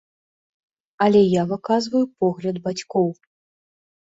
Але я выказваю погляд бацькоў.